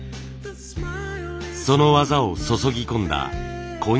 その技を注ぎ込んだこん